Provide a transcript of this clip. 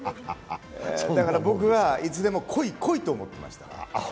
だから僕は、いつでも来い、来いと思ってました。